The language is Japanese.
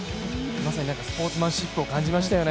まさにスポーツマンシップを感じましたよね。